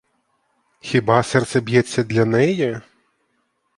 Хіба серце б'ється для неї?